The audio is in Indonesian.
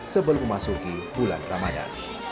sebelum memasuki bulan ramadan